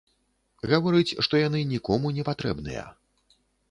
Гаворыць, што яны нікому не патрэбныя.